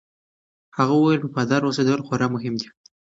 هغه وویل، وفادار اوسېدل خورا مهم دي.